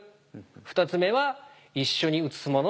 ２つ目は「一緒に写すもの